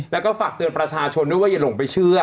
แล้วก็ฝากเตือนประชาชนด้วยว่าอย่าหลงไปเชื่อ